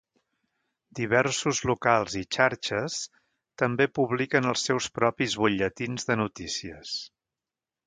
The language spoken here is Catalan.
Diversos locals i xarxes també publiquen els seus propis butlletins de notícies.